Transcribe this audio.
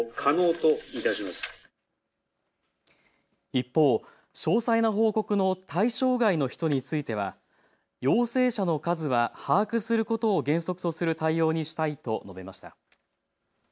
一方、詳細な報告の対象外の人については陽性者の数は把握することを原則とする対応にしたいと述べました。